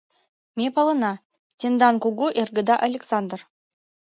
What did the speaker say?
— Ме палена, тендан кугу эргыда Александр...